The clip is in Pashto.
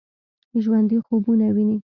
ژوندي خوبونه ويني